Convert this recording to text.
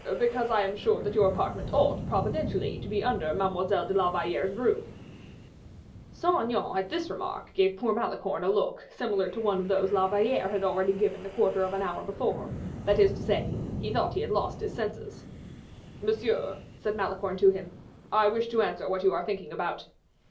"Because I am sure that your apartment ought, providentially, to be under Mademoiselle de la Valliere's room." Saint Aignan, at this remark, gave poor Malicorne a look, similar to one of those La Valliere had already given a quarter of an hour before, that is to say, he thought he had lost his senses. "Monsieur," said Malicorne to him, "I wish to answer what you are thinking about."